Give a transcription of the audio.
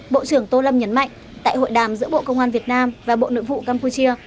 bộ trưởng tô lâm nhấn mạnh tại hội đàm giữa bộ công an việt nam và bộ nội vụ campuchia